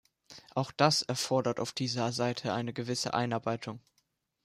Auch das erfordert auf dieser Seite eine gewisse Einarbeitung.